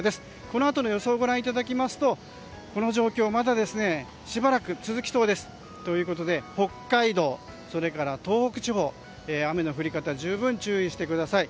このあとの予想をご覧いただきますとこの状況まだしばらく続きそうです。ということで北海道、東北地方雨の降り方十分に注意してください。